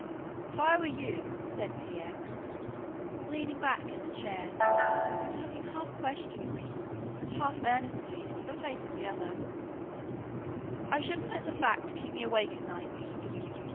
"If I were you," said T. X., leaning back in the chair and looking half questioningly and half earnestly into the face of the other, "I shouldn't let that fact keep me awake at night.